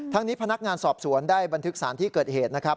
นี้พนักงานสอบสวนได้บันทึกสารที่เกิดเหตุนะครับ